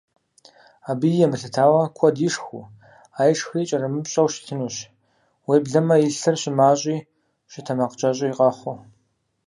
Абыи емылъытауэ, куэд ишхыу, а ишхри кӀэрымыпщӀэу щытынущ, уеблэмэ и лъыр щымащӀи щытэмакъкӀэщӀи къэхъуу.